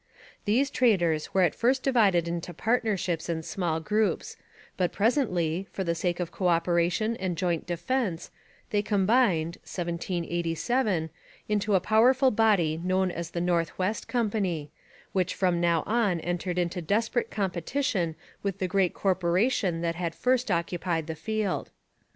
These traders were at first divided into partnerships and small groups, but presently, for the sake of co operation and joint defence, they combined (1787) into the powerful body known as the North West Company, which from now on entered into desperate competition with the great corporation that had first occupied the field.